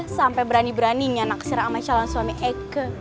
sampai berani beraninya naksir sama calon suami eke